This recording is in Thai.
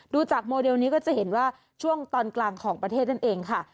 ดูจากโมเดลนี้ก็จะเห็นว่าช่วงตอนกลางของประเทศนั่นเองค่ะ